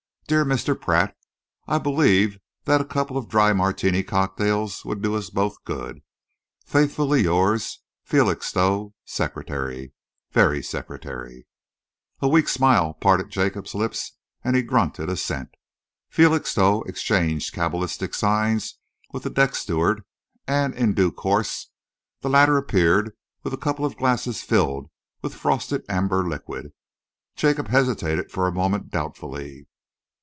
Dear Mr. Pratt, I believe that a couple of dry Martini cocktails would do us both good. Faithfully yours, Felixstowe. Sec. (Very sec!) A weak smile parted Jacob's lips and he grunted assent. Felixstowe exchanged cabalistic signs with the deck steward, and in due course the latter appeared with a couple of glasses filled with frosted amber liquid. Jacob hesitated for a moment doubtfully.